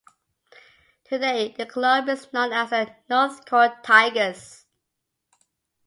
Today the club is known as the Northcote Tigers.